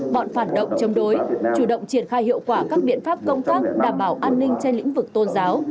bọn phản động chống đối chủ động triển khai hiệu quả các biện pháp công tác đảm bảo an ninh trên lĩnh vực tôn giáo